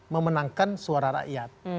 memenangkan suara rakyat